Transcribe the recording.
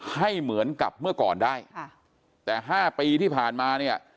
ให้เหมือนกับเมื่อก่อนได้ค่ะแต่ห้าปีที่ผ่านมาเนี่ย